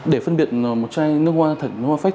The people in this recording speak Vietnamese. để phân biệt một chai nước hoa thật hoa phách